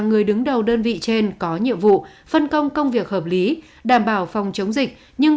người đứng đầu đơn vị trên có nhiệm vụ phân công công việc hợp lý đảm bảo phòng chống dịch nhưng